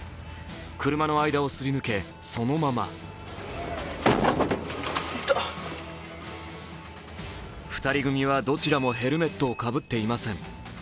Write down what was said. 車の間をすり抜け、そのまま２人組はどちらもヘルメットをかぶっていません。